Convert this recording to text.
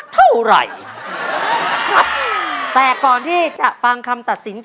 แต่ก่อนที่จะฟังคำตัดสิน